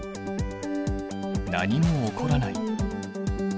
何も起こらない。